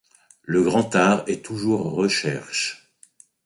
Le grand art est toujours recherche.